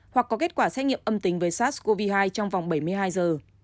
hoặc có kết quả xét nghiệm âm tính với sars cov hai trong vòng bảy mươi hai giờ